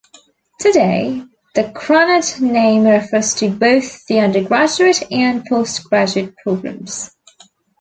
Today, the Krannert name refers to both the undergraduate and post-graduate programs.